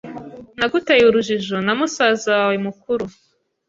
Naguteye urujijo na musaza wawe mukuru.